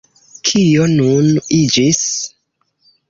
Kio nun iĝis?